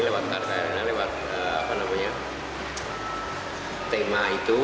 lewat karya lewat tema itu